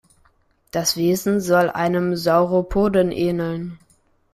Das Wesen soll einem Sauropoden ähneln.